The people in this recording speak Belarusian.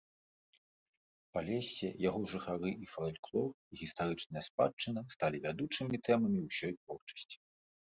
Палессе, яго жыхары і сталі фальклор і гістарычная спадчына сталі вядучымі тэмамі ўсёй творчасці.